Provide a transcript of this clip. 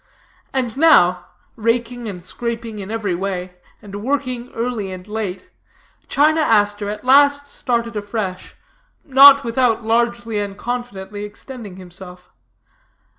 And now, raking and scraping in every way, and working early and late, China Aster at last started afresh, nor without again largely and confidently extending himself.